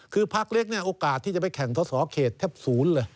คือพักเล็กเนี่ยโอกาสที่จะไปแข่งสอสอเขตแทบศูนย์เลย